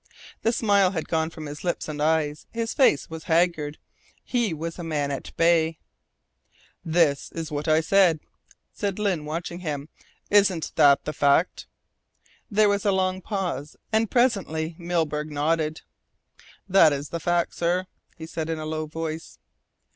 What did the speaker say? The smile had gone from his lips and eyes. His face was haggard he was a man at bay. "That is what I said," said Lyne watching him. "Isn't that the fact?" There was a long pause, and presently Milburgh nodded. "That is the fact, sir," he said in a low voice.